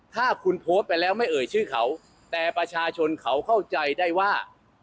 ถ้าคุณโพสต์ไปแล้วไม่เอ่ยชื่อเขาแต่ประชาชนเขาเข้าใจได้ว่า